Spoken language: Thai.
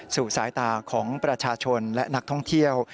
สายตาของประชาชนและนักท่องเที่ยว